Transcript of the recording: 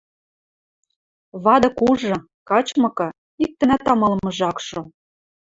Вады кужы, качмыкы, иктӹнӓт амалымыжы ак шо.